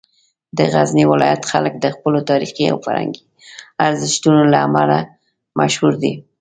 د غزني ولایت خلک د خپلو تاریخي او فرهنګي ارزښتونو له امله مشهور دي.